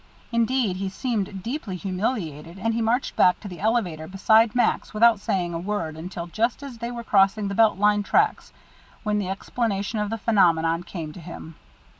Indeed, he seemed deeply humiliated, and he marched back to the elevator beside Max without saying a word until just as they were crossing the Belt Line tracks, when the explanation of the phenomenon came to him.